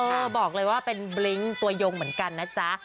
บอกเลยว่าเป็นบลิ้งตัวยงเหมือนกันนะจ๊ะ